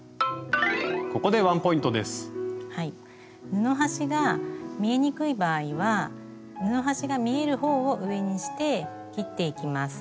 布端が見えにくい場合は布端が見える方を上にして切っていきます。